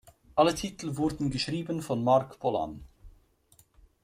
Alle Titel wurden geschrieben von Marc Bolan.